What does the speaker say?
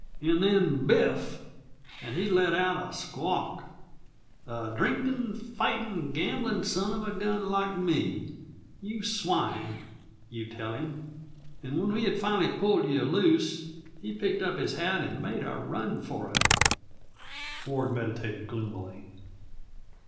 And then biff! And he'd let out a squawk. 'A drinkin', fightin', gamblin' son of a gun like me, you swine!' you'd tell him. And when we finally pulled you loose, he picked up his hat and made a run for it." Ford meditated gloomily.